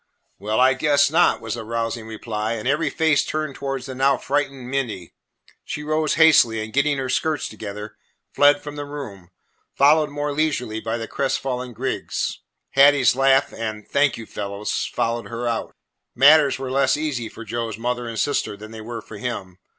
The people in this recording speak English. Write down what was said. "Well, I guess not!" was the rousing reply, and every face turned towards the now frightened Minty. She rose hastily and, getting her skirts together, fled from the room, followed more leisurely by the crestfallen Griggs. Hattie's laugh and "Thank you, fellows," followed her out. Matters were less easy for Joe's mother and sister than they were for him.